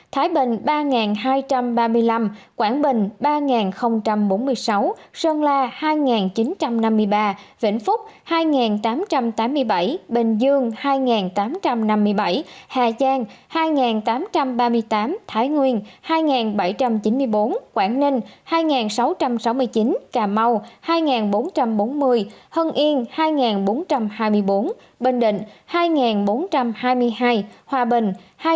thái bình ba hai trăm ba mươi năm quảng bình ba bốn mươi sáu sơn la hai chín trăm năm mươi ba vĩnh phúc hai tám trăm tám mươi bảy bình dương hai tám trăm năm mươi bảy hà giang hai tám trăm ba mươi tám thái nguyên hai bảy trăm chín mươi bốn quảng ninh hai sáu trăm sáu mươi chín cà mau hai bốn trăm bốn mươi hân yên hai bốn trăm hai mươi bốn bình định hai bốn trăm hai mươi hai hòa bình hai ba trăm chín mươi tám